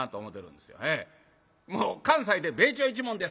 もう関西で「米朝一門です」